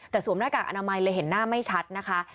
แต่สวมหน้ากากอนามัยเลยเห็นหน้าไม่ชัดนะคะ